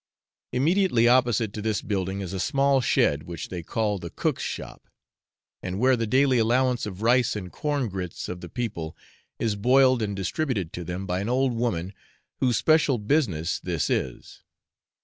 Immediately opposite to this building is a small shed, which they call the cook's shop, and where the daily allowance of rice and corn grits of the people is boiled and distributed to them by an old woman, whose special business this is.